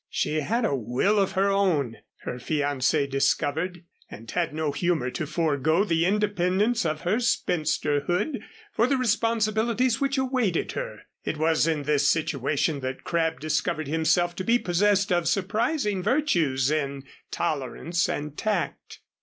She had a will of her own, her fiancé discovered, and had no humor to forego the independence of her spinsterhood for the responsibilities which awaited her. It was in this situation that Crabb discovered himself to be possessed of surprising virtues in tolerance and tact.